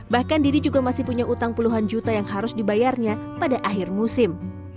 bahkan didi juga masih punya utang puluhan juta yang harus dibayarnya pada akhir musim